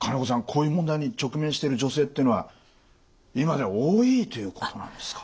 こういう問題に直面している女性っていうのは今では多いということなんですか？